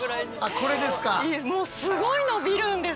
これですか。